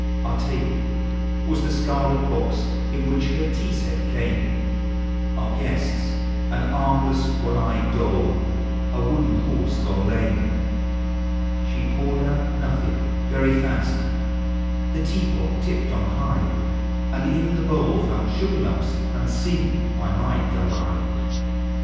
47 Our table was the scarlet box in which her tea set came ; Our guests, au armless one eyed doll, a wooden horse gone lame. She poured out nothing, very fast — the tea pot tipped on high, — And in the bowl found sugar lumps unseen by my dull eve.